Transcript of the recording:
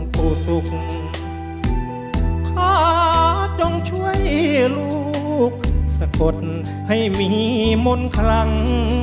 ผู้สุขขอจงช่วยลูกสะกดให้มีมนต์คลัง